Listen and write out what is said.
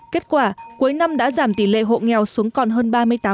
kết quả cuối năm đã giảm tỷ lệ hộ nghèo xuống còn hơn ba mươi tám